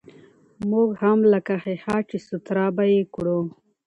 موږ هم لکه ښيښه، چې سوتره به يې کړو.